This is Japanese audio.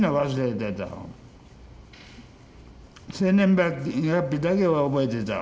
生年月日だけは覚えてた。